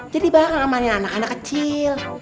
jadi barang amanin anak anak kecil